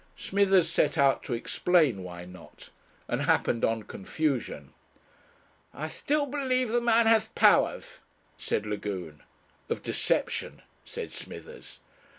Smithers set out to explain why not, and happened on confusion. "I still believe the man has powers," said Lagune. "Of deception," said Smithers.